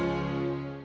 aduh hei duluan